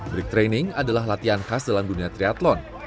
break training adalah latihan khas dalam dunia triathlon